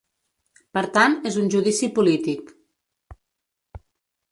Per tant, és un judici polític.